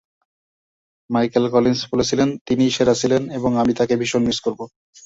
Michael Collins বলেছিলেন, "তিনিই সেরা ছিলেন এবং আমি তাকে ভীষণ মিস করব।"